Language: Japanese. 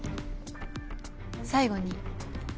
最後に。